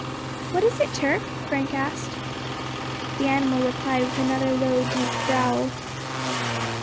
"What is it, Turk?" Frank asked. The animal replied with another low, deep growl.